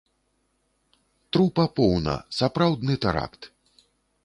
Трупа поўна, сапраўдны тэракт!